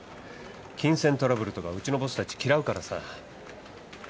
金銭トラブルとかうちのボスたち嫌うからさ。